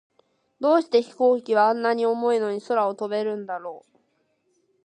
どうして飛行機は、あんなに重いのに空を飛べるんだろう。